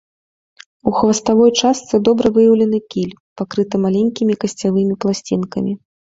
У хваставой частцы добра выяўлены кіль, пакрыты маленькімі касцявымі пласцінкамі.